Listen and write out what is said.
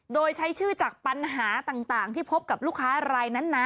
โดยใช้ชื่อจากปัญหาต่างที่พบกับลูกค้ารายนั้นนะ